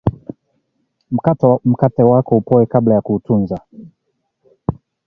mkate wako upoe kabla ya kuutunza